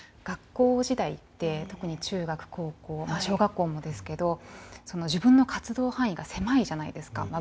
学校時代って特に中学・高校小学校もですけど自分の活動範囲が狭いじゃないですか。